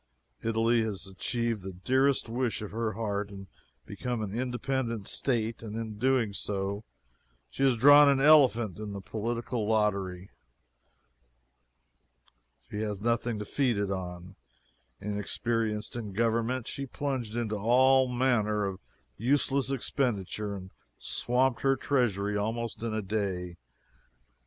Italy has achieved the dearest wish of her heart and become an independent State and in so doing she has drawn an elephant in the political lottery. She has nothing to feed it on. Inexperienced in government, she plunged into all manner of useless expenditure, and swamped her treasury almost in a day.